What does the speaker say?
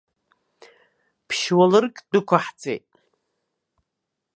Ԥшь-уалырк дәықәаҳҵеит.